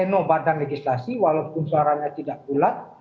dan saya sudah melakukan legislasi walaupun suaranya tidak bulat